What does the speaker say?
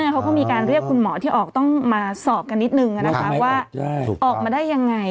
เขาก็มีการเรียกคุณหมอที่ออกต้องมาสอบกันนิดนึงว่าออกมาได้ยังไง